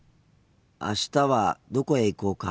あしたはどこへ行こうか？